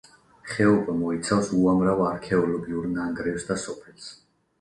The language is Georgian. ხეობა მოიცავს უამრავ არქეოლოგიურ ნანგრევს და სოფელს.